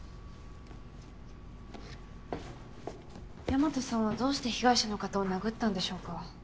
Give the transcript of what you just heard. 大和さんはどうして被害者の方を殴ったんでしょうか？